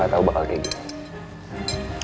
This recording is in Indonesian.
dia gak tahu bakal kayak gini